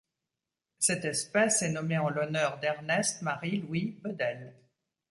Cette espèce est nommée en l'honneur d'Ernest Marie Louis Bedel.